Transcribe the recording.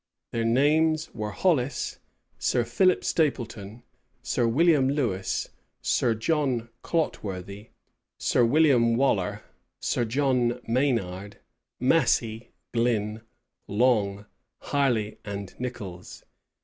Their names were Hollis, Sir Philip Stapleton, Sir William Lewis, Sir John Clotworthy, Sir William Waller, Sir John Maynard, Massey, Glyn, Long, Harley, and Nichols.